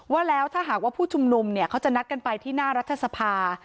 ว่าแล้วถ้าหากว่าผู้ชุมนุมเนี่ยเขาจะนัดกันไปที่หน้ารัฐสภา